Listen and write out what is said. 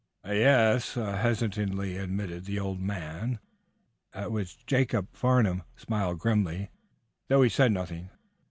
"Ye es," hesitatingly admitted the older man, at which Jacob Farnum smiled grimly, though he said nothing.